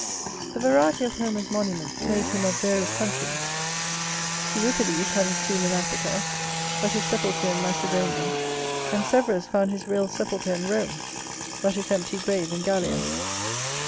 The variety of Homer's monuments made him of various countries. Euripides had his tomb in Africa, but his sepulture in Macedonia. And Severus found his real sepulchre in Rome, but his empty grave in Gallia.